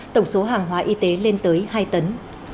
tổng số hàng hóa y tế lên tới hai tấn